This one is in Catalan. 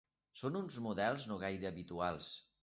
Són uns models no gaire habituals.